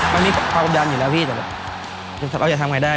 ตอนนี้เขากำลังดันอยู่แล้วพี่แต่ว่าเราจะทำยังไงได้